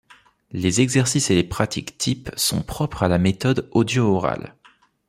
Les exercices et les pratiques types sont propres à la méthode audio-oral.